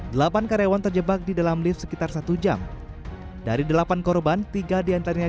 delapan karyawan terjebak di dalam lift sekitar satu jam dari delapan korban tiga diantaranya